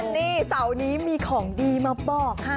นี่เสาร์นี้มีของดีมาบอกค่ะ